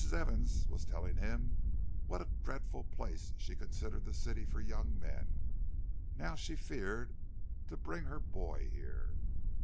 Evans was telling him what a dreadful place she considered the city for young men; and how she feared to bring her boy here.